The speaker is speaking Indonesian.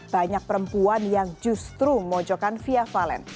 banyak perempuan yang justru mojokan fia valen